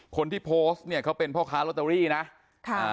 คนที่โพสต์เนี่ยเขาเป็นพ่อค้าลอตเตอรี่นะค่ะ